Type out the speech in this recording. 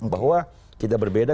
bahwa kita berbeda